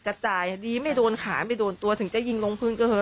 กระจายดีไม่โดนขายไม่โดนตัวถึงจะยิงลงพื้นกระเหิน